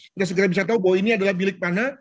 kita segera bisa tahu bahwa ini adalah bilik mana